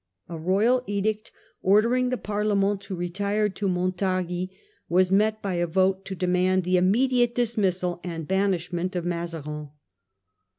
A royal edict ordering the Parlement to retire to Montargis was met by a vote to demand the immediate dismissal and banishment of Mazarin.